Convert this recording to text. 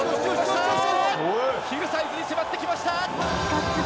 ヒルサイズに迫ってきました。